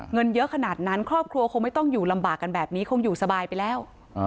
เงินเยอะขนาดนั้นครอบครัวคงไม่ต้องอยู่ลำบากกันแบบนี้คงอยู่สบายไปแล้ว